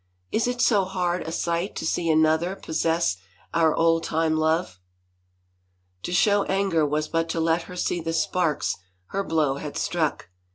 Is it so hard a sight to see another possess our old time love ?" To show anger was but to let her see the sparks her blow had struck.